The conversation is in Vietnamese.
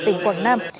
tỉnh quảng nam